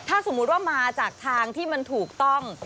ถ้าสมมุติว่ามาจากทางที่มันถูกต้อง